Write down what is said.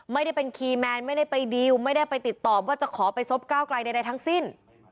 ไม่ได้เป็นคีย์แมนไม่ได้ไปดีลไม่ได้ไปติดต่อว่าจะขอไปซบก้าวไกลใดทั้งสิ้น